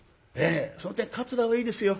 その点「桂」はいいですよ。